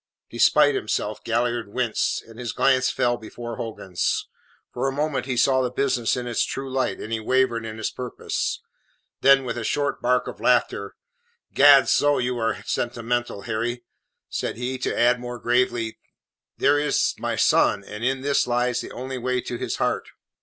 Despite himself, Galliard winced, and his glance fell before Hogan's. For a moment he saw the business in its true light, and he wavered in his purpose. Then, with a short bark of laughter: "Gadso, you are sentimental, Harry!" said he, to add, more gravely: "There is my son, and in this lies the only way to his heart.".